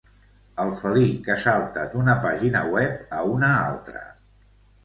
El felí que salta d'una pàgina web a una altra.